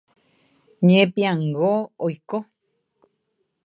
Ñepiãngo oiko.